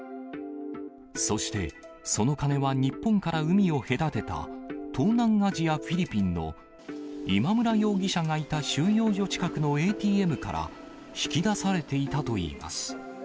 そして、その金は日本から海を隔てた東南アジア、フィリピンの今村容疑者がいた収容所近くのＡＴＭから引き出されていたといいます。